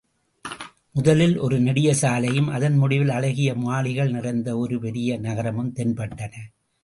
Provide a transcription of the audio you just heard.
முதலில் ஒரு நெடிய சாலையும், அதன் முடிவில் அழகிய மாளிகைகள் நிறைந்த ஒரு பெரிய நகரமும் தென்பட்டன.